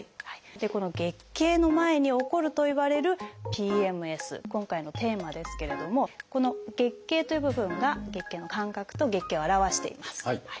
この月経の前に起こるといわれる「ＰＭＳ」今回のテーマですけれどもこの「月経」という部分が月経の間隔と月経を表しています。